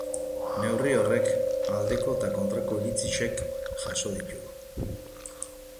Neurri horrek aldeko eta kontrako iritziak jaso ditu.